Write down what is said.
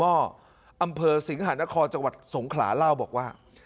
ห้ออำเภอสิงหานครจังหวัดสงขลาเล่าบอกว่า